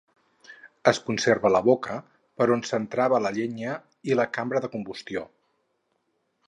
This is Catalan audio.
Es conserva la boca, per on s'entrava la llenya, i la cambra de combustió.